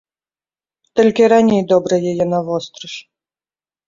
Толькі раней добра яе навострыш.